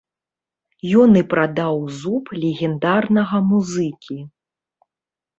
Ён і прадаў зуб легендарнага музыкі.